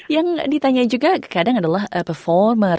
yang ditanya juga kadang adalah performer